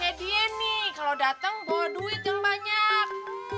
yaih dien nih kalau dateng bawa duit yang banyak